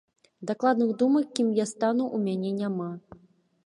Дакладных думак, кім я стану, у мяне няма.